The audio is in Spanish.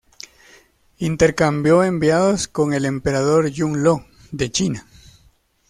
Intercambió enviados con el emperador Yung Lo de China.